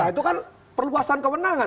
itu kan perluasan kewenangan